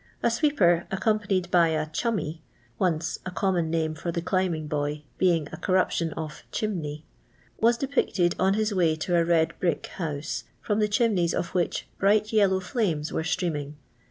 A sweeper, accompanied by a " chum my" (once » common name for the climbing boy, being a corruption of chimney), was de picted on his way to a red brick house, from the chimneys of which bright yellow flames were streaming.